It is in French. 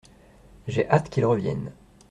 J’ai hâte qu’il revienne.